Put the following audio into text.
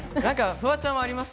フワちゃんはありますか？